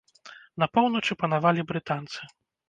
На поўначы панавалі брытанцы.